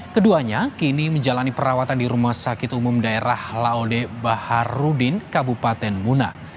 keduanya kini menjalani perawatan di rumah sakit umum daerah laode baharudin kabupaten muna